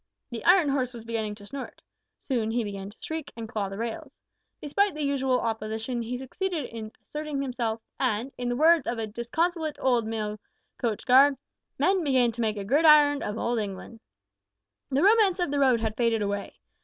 The iron horse was beginning to snort. Soon he began to shriek and claw the rails. Despite the usual opposition, he succeeded in asserting himself, and, in the words of a disconsolate old mail coach guard, `men began to make a gridiron of old England.' The romance of the road had faded away.